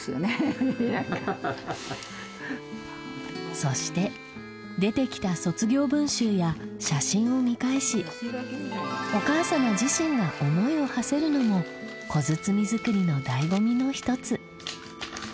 そして出てきた卒業文集や写真を見返しお母様自身が思いをはせるのも小包み作りの醍醐味の一つ。